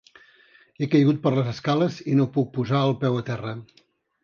He caigut per les escales i no puc posar el peu a terra.